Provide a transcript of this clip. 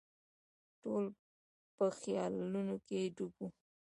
ټول په خیالونو کې ډوب وو.